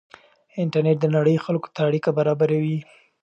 انټرنېټ د نړۍ خلکو ته اړیکه برابروي.